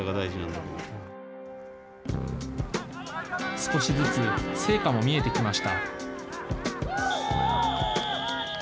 少しずつ成果も見えてきました。